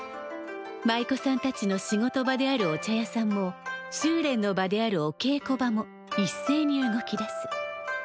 舞妓さんたちの仕事場であるお茶屋さんも修練の場であるおけいこ場も一斉に動き出す。